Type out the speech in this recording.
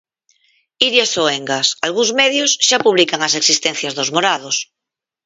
Iria Soengas, algúns medios xa publican as esixencias dos morados...